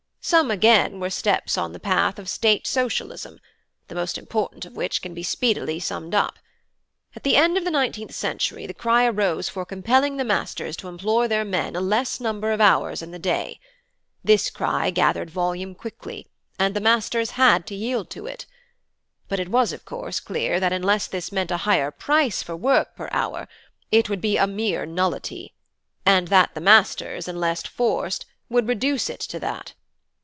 Some again were steps on the path of 'State Socialism'; the most important of which can be speedily summed up. At the end of the nineteenth century the cry arose for compelling the masters to employ their men a less number of hours in the day: this cry gathered volume quickly, and the masters had to yield to it. But it was, of course, clear that unless this meant a higher price for work per hour, it would be a mere nullity, and that the masters, unless forced, would reduce it to that.